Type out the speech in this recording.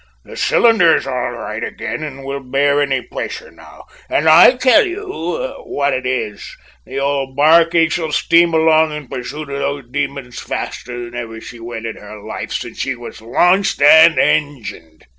"The cylinder is all right again and will bear any pressure now, and I tell you what it is, the old barquey shall steam along in pursuit of those demons faster than she ever went in her life since she was launched and engined!"